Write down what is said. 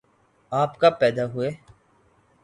آپ کب پیدا ہوئے